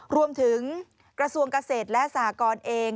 รวมถึงกระทรวงเกษตรและสหกรณ์เอง